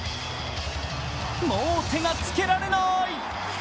もう手がつけられない！